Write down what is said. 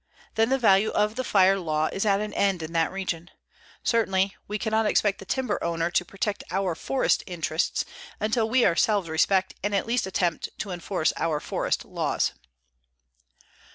Then the value of the fire law is at an end in that region. Certainly we cannot expect the timber owner to protect our forest interests until we ourselves respect and at least attempt to enforce our forest laws.